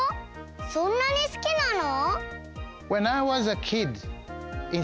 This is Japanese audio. そんなにすきなの？